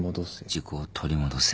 「自己を取りもどせ」